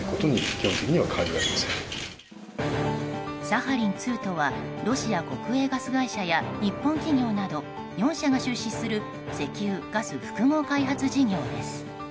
サハリン２とはロシア国営ガス会社や日本企業など４社が出資する石油・ガス複合開発事業です。